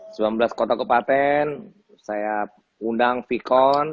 saya mengundang vkon